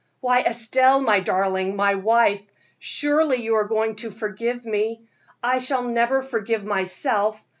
"Why, Estelle, my darling, my wife, surely you are going to forgive me I shall never forgive myself.